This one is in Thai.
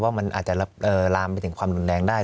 ว่ามันอาจจะลามไปถึงความรุนแรงได้